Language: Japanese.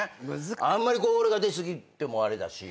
あんまり俺が出過ぎてもあれだし。